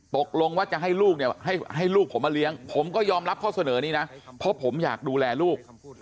ตกลงว่าจะให้ลูกเนี่ยให้ลูกผมมาเลี้ยงผมก็ยอมรับข้อเสนอนี้นะเพราะผมอยากดูแลลูก